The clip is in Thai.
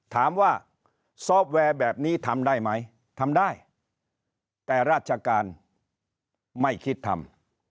ถามว่าซอฟต์แวร์แบบนี้ทำได้ไหมทำได้แต่ราชการไม่คิดทำ